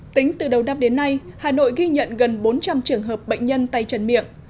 tính từ đầu năm đến nay hà nội ghi nhận gần bốn trăm linh trường hợp bệnh nhân tay trần miệng